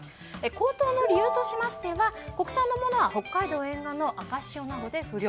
高騰の理由としましては国産のものは北海道沿岸の赤潮などで不漁。